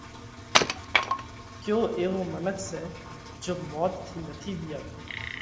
ڪيو ايوو منک سئہ جيو موت ٿِي نٿِي ٻِيئاتو؟